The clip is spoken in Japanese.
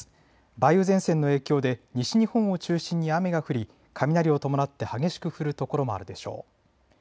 梅雨前線の影響で西日本を中心に雨が降り雷を伴って激しく降る所もあるでしょう。